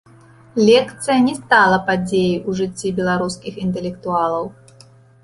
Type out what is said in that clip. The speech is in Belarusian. Лекцыя не стала падзеяй у жыцці беларускіх інтэлектуалаў.